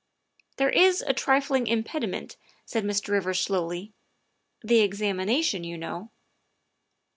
" There is a trifling impediment," said Mr. Rivers slowly, " the examination, you know."